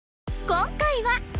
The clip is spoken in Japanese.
今回は